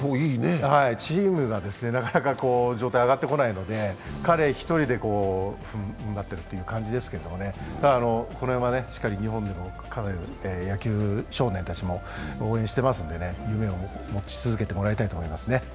チームがなかなか状態が上がってこないので、彼１人で踏ん張っているという感じですけと、この辺は、日本でもしっかり野球少年たちも応援していますので、夢を持ち続けてもらいたいと思いますね。